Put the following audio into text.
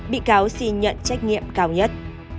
bị cáo xin nhận trách nhiệm cao nhất